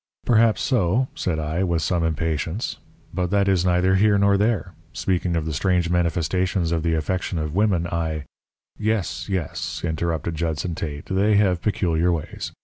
"Perhaps so," said I, with some impatience; "but that is neither here nor there. Speaking of the strange manifestations of the affection of women, I " "Yes, yes," interrupted Judson Tate; "they have peculiar ways.